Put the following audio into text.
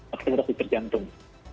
aksi repitur jantung